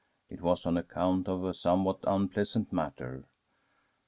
It was on account of a somewhat unpleasant matter.